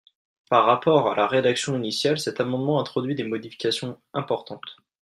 Par rapport à la rédaction initiale, cet amendement introduit des modifications importantes.